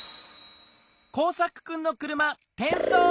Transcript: コウサクくんの車てんそう。